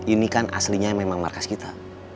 ini kan aslinya memang markas kita